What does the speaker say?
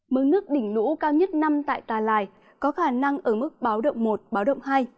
mức nước đỉnh lũ cao nhất năm tại tà lài có khả năng ở mức báo động một báo động hai